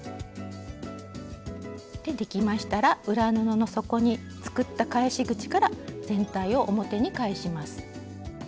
できましたら裏布の底に作った返し口から全体を表に返します。